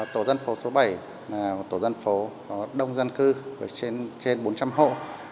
tổ dân phố số bảy là một tổ dân phố có đông dân cư với trên bốn trăm linh hộ